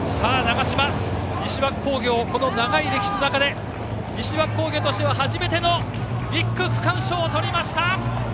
西脇工業、長い歴史の中で西脇工業としては初めての１区区間賞をとりました！